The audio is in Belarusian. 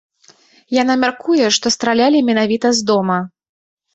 Яна мяркуе, што стралялі менавіта з дома.